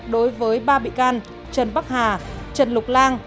đối với ba bị can trần bắc hà trần lục lan